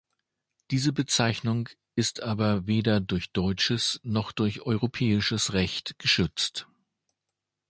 Diese Bezeichnung ist aber weder durch deutsches noch durch europäisches Recht geschützt.